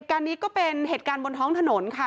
การนี้ก็เป็นเหตุการณ์บนท้องถนนค่ะ